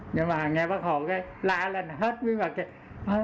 nhưng mà nghe bắt hồ cái la lên hết bí mật kia